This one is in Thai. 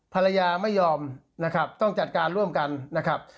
ภรรยาไม่ยอมนะครับต้องจัดการร่วมกันนะครับ